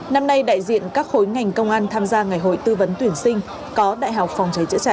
năm nay đại diện các khối ngành công an tham gia ngày hội tư vấn tuyển sinh có đại học phòng cháy chữa cháy